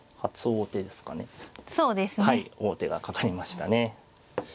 王手がかかりましたね。